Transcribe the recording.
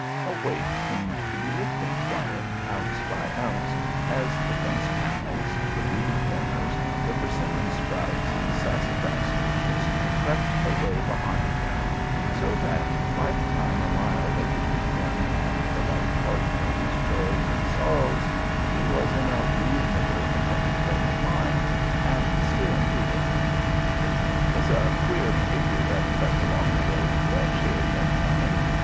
A weight seemed to be lifting from it ounce by ounce as the fence panels, the weedy corners, the persimmon sprouts and sassafras bushes crept away behind him, so that by the time a mile lay between him and the life partner of his joys and sorrows he was in a reasonably contented frame of mind, and still improving. It was a queer figure that crept along the road that cheery May morning.